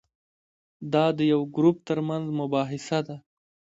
دا د یو ګروپ ترمنځ مباحثه ده.